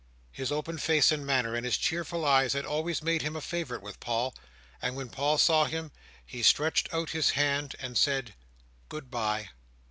His open face and manner, and his cheerful eyes, had always made him a favourite with Paul; and when Paul saw him, he stretched Out his hand, and said "Good bye!"